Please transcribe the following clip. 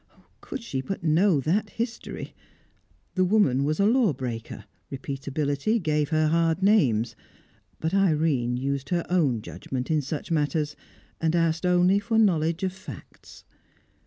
Could she but know that history The woman was a law breaker; repeatability gave her hard names; but Irene used her own judgment in such matters, and asked only for knowledge of facts.